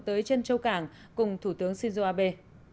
tới chân châu cảng cùng thủ tướng shinzo abe